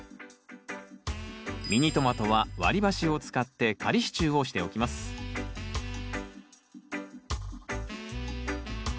ミニトマトは割り箸を使って仮支柱をしておきますで